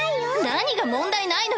何が問題ないのよ！